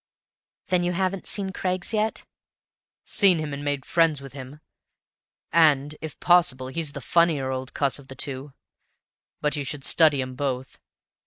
"Then you haven't seen Craggs yet?" "Seen him and made friends with him, and if possible he's the funnier old cuss of the two; but you should study 'em both.